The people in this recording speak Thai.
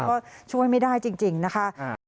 เพราะช่วยไม่ได้จริงนะคะ